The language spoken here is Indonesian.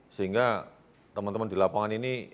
sehingga teman teman di lapangan ini